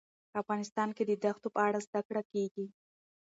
افغانستان کې د دښتو په اړه زده کړه کېږي.